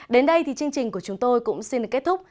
đến đây thì chương trình của chúng tôi cũng xin kết thúc